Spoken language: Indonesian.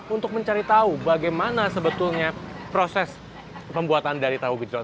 untuk mencari tahu bagaimana sebetulnya proses pembuatan dari tahu gejol